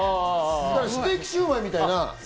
ステーキシウマイみたいな。